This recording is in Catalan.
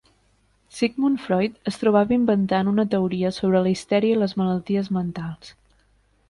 Sigmund Freud es trobava inventant una teoria sobre la histèria i les malalties mentals.